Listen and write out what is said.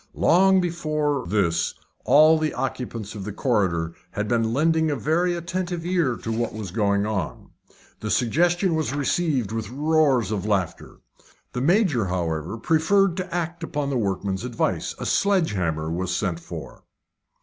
Long before this all the occupants of the corridor had been lending a very attentive ear to what was going on. The suggestion was received with roars of laughter. The Major, however, preferred to act upon the workmen's advice. A sledge hammer was sent for.